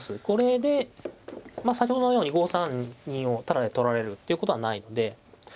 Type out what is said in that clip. これでまあ先ほどのように５三銀をタダで取られるっていうことはないので